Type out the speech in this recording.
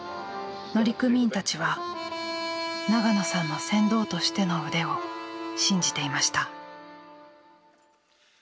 乗組員たちは長野さんの船頭としての腕を信じていました。